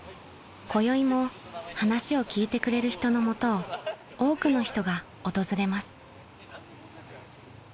［こよいも話を聞いてくれる人の元を多くの人が訪れます］